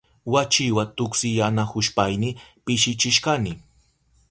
Wachiwa tuksinayahushpayni pishichishkani.